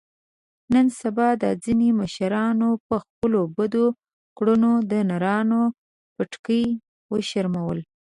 نن سبا دا ځنې مشرانو په خپلو بدو کړنو د نرانو پټکي و شرمول.